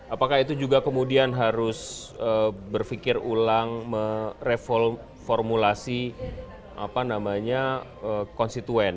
apakah itu juga kemudian harus berfikir ulang reformulasi apa namanya konstituen